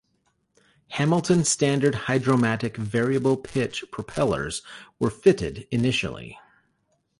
Hamilton-Standard hydromatic variable-pitch propellers were fitted initially.